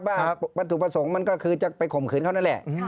ว่าวัตถุประสงค์มันก็คือจะไปข่มขืนเขานั่นแหละ